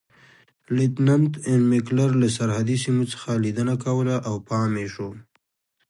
لیتننت اېن میکلر له سرحدي سیمو څخه لیدنه کوله او پام یې شو.